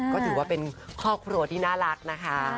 ก็ถือว่าเป็นครอบครัวที่น่ารักนะคะ